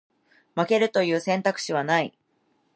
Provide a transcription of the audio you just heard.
負けるという選択肢はない